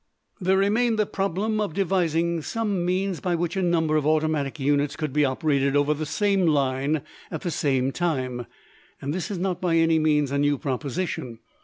There remained the problem of devising some means by which a number of automatic units could be operated over the same line at the same time. This is not by any means a new proposition.